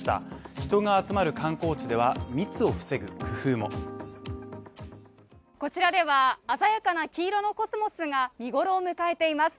人が集まる観光地では密を防ぐ工夫もこちらでは鮮やかな黄色のコスモスが見頃を迎えています。